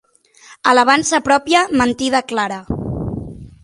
Alabança pròpia, mentida clara.